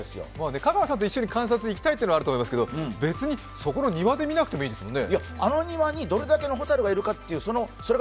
香川さんと一緒に観察行きたいというのはあると思いますけど別にそこの庭で見なくてもいいですよね？